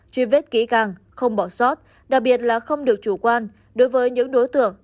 truy vết kỹ càng không bỏ sót đặc biệt là không được chủ quan đối với những đối tượng